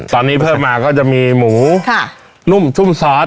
ตอนนี้เพิ่มมาก็จะมีหมูนุ่มชุ่มซอส